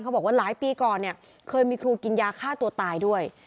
บอกว่าหลายปีก่อนเนี่ยเคยมีครูกินยาฆ่าตัวตายด้วย